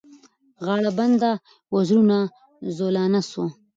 غاړه بنده وزرونه زولانه سوه